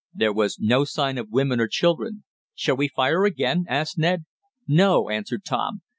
There was no sign of women or children. "Shall we fire again?" asked Ned. "No," answered Tom.